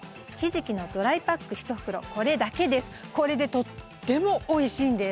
これでとってもおいしいんです。